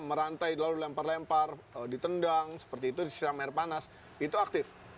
merantai lalu dilempar lempar ditendang seperti itu disiram air panas itu aktif